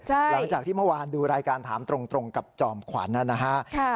หลังจากที่เมื่อวานดูรายการถามตรงกับจอมขวัญนะฮะ